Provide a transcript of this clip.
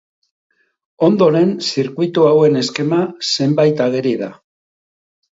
Ondoren zirkuitu hauen eskema zenbait ageri da.